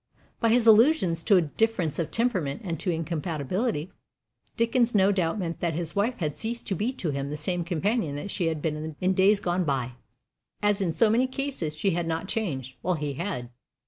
By his allusions to a difference of temperament and to incompatibility, Dickens no doubt meant that his wife had ceased to be to him the same companion that she had been in days gone by. As in so many cases, she had not changed, while he had.